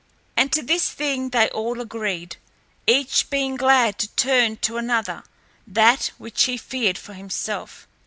And to this thing they all agreed, each being glad to turn to another that which he feared for himself.